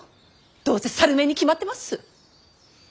どうせ猿面に決まってます。